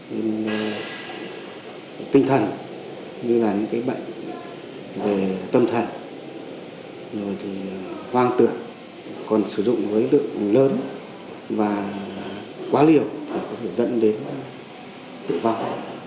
lá khát có tác hại tinh thần như là những cái bệnh về tâm thần hoang tượng còn sử dụng với lượng lớn và quá liều thì có thể dẫn đến tự vong